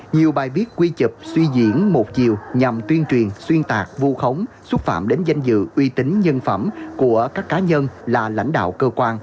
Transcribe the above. nhiều bài viết quy chụp suy diễn một chiều nhằm tuyên truyền xuyên tạc vu khống xúc phạm đến danh dự uy tín nhân phẩm của các cá nhân là lãnh đạo cơ quan